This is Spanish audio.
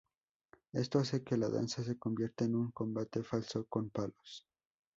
Esto hace que la danza se convierta en un combate falso con palos.